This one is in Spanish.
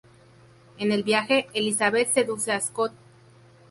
En el viaje, Elizabeth seduce a Scott.